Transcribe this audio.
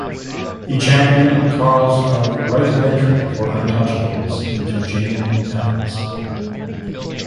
He championed the cause of right of entry for untouchables into Jain temples.